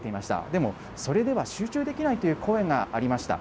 でも、それでは集中できないという声がありました。